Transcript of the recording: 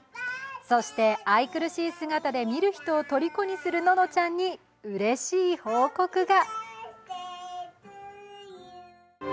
そして愛くるしい姿で見る人をとりこにするののちゃんにうれしい報告が。